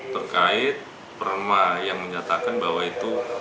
terkait perma yang menyatakan bahwa itu